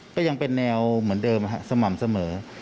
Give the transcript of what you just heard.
ก็ยังเป็นแนวเหมือนเดิมสม่ำเสมอ